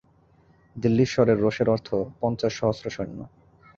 দিল্লীশ্বরের রােষের অর্থ পঞ্চাশ সহস্র সৈন্য।